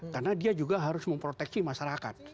karena dia juga harus memproteksi masyarakat